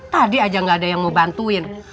tadi aja gak ada yang mau bantuin